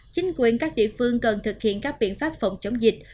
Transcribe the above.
chính quyền các địa phương cần thực hiện các biện pháp phòng chống dịch